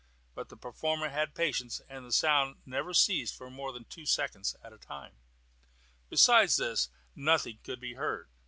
But the performer had patience, and the sound never ceased for more than two seconds at a time. Besides this, nothing could be heard.